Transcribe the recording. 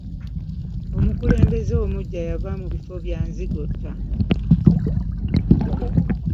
Omukulembeze omuggya yava mu bifo bya nzigotta.